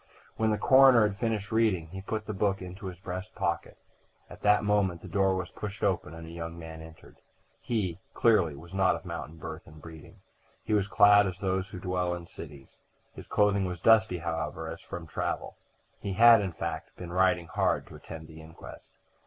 When the coroner had finished reading he put the book into his breast pocket. At that moment the door was pushed open and a young man entered. He, clearly, was not of mountain birth and breeding: he was clad as those who dwell in cities. His clothing was dusty, however, as from travel. He had, in fact, been riding hard to attend the inquest.